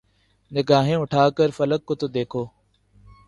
نگاھیں اٹھا کر فلک کو تو دیکھو